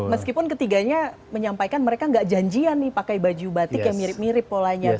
meskipun ketiganya menyampaikan mereka nggak janjian nih pakai baju batik yang mirip mirip polanya